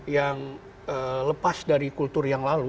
yang lepas dari kultur yang lalu